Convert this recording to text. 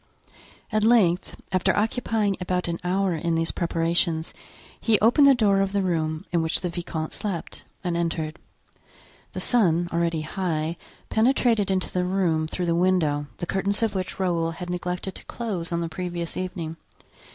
At length, after occupying about an hour in these preparations, he opened the door of the room in which the vicomte slept, and entered. The sun, already high, penetrated into the room through the window, the curtains of which Raoul had neglected to close on the previous evening.